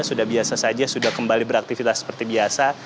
sudah biasa saja sudah kembali beraktivitas seperti biasa